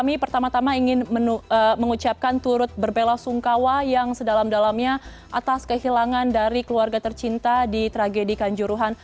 kami pertama tama ingin mengucapkan turut berbela sungkawa yang sedalam dalamnya atas kehilangan dari keluarga tercinta di tragedi kanjuruhan